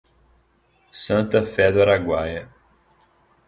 Santa Fé do Araguaia